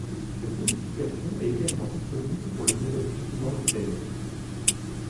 Cette modification est également disponible pour le modèle précédent du Cayenne.